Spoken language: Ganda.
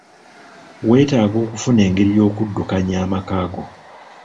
Weetaaga okufuna engeri y'okuddukaanya amaka go.